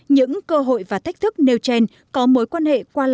những cơ hội và thách thức nêu trên có mối quan hệ